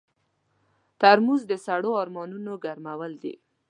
ترموز د سړو ارمانونو ګرمول دي.